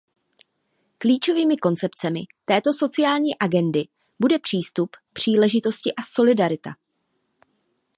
Klíčovými koncepcemi této sociální agendy bude přístup, příležitosti a solidarita.